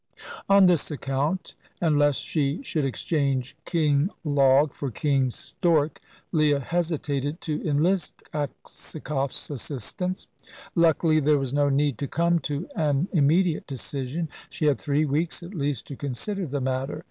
On this account, and lest she should exchange King Log for King Stork, Leah hesitated to enlist Aksakoff s assistance. Luckily, there was no need to come to an immediate decision. She had three weeks at least to consider the matter.